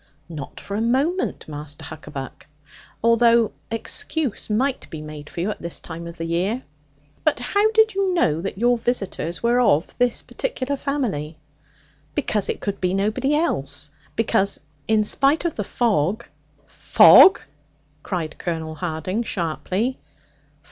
'Not for a moment, Master Huckaback. Although excuse might be made for you at this time of the year. But how did you know that your visitors were of this particular family?' 'Because it could be nobody else. Because, in spite of the fog ' 'Fog!' cried Colonel Harding sharply.